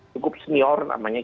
cukup senior namanya